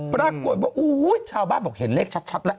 ปรากฏว่าชาวบ้านบอกเห็นเลขชัดแล้ว